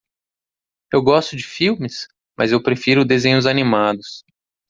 Eu gosto de filmes?, mas eu prefiro desenhos animados.